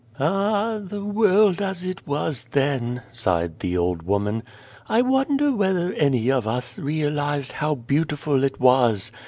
" Ah ! the world as it was then !" sighed the old woman. " I wonder whether any of us realised how beautiful it was